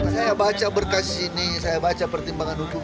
saya baca berkas ini saya baca pertimbangan hukum